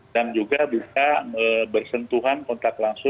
dan juga bisa bersentuhan kontak langsung